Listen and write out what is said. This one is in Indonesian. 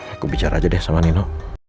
aku bicara aja deh sama nino